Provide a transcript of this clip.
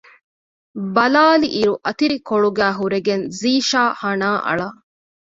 ބަލާލިއިރު އަތިރިކޮޅުގައި ހުރެގެން ޒީޝާ ހަނާ އަޅަ